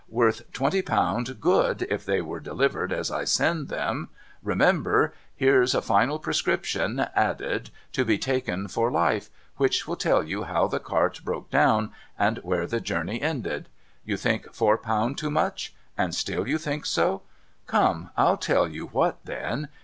Worth twenty pound good if they are delivered as I. send them. Remember ! Here's a final prescription added, ' To be taken for life,' which will tell you how the cart broke down, and where the journey ended. You think Four Pound too much ? And still you think so ? Come ! I'll tell you what then.